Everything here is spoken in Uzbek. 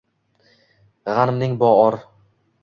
G‘animing bo-or!